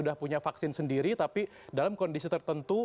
sudah punya vaksin sendiri tapi dalam kondisi tertentu